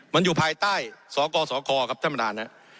มันอยู่ภายใต้สอกอสอคอครับถ้าประโดยนะฮะ